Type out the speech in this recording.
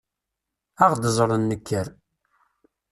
Ad ɣ-d-ẓren nekker.